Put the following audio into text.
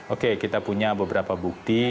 oke kita punya beberapa bukti